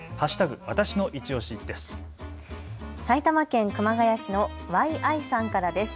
わたしのいちオシです。